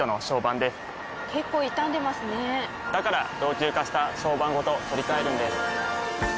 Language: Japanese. から老朽化した床版ごと取り替えるんです。